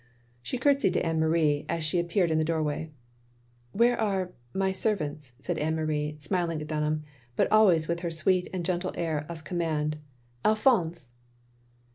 She curtseyed to Anne Marie, as she appeared in the doorway. "Where are — ^my servants?" said Anne Marie, smiling at Dunham, but always with her sweet and gentle air of command. "Alphonse!"